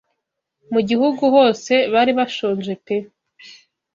Mu Gihugu hose bari bashonje pe